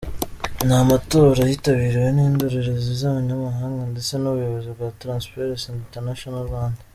Ni amatora yitabiriwe n’indorerezi z’abanyamahanga ndetse n’Ubuyobozi bwa Transparency International Rwanda.